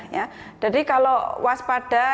jadi kalau waspada